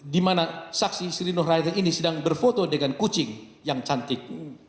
di mana saksi sri nur haye ini sedang berfoto dengan kucing yang cantik